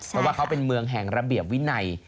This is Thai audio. เพราะว่าเขาเป็นเมืองแห่งระเบียบวินัย